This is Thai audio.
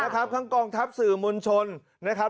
ครับข้างกล้องทรัพย์สื่อมนชนนะครับ